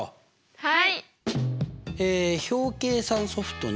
はい。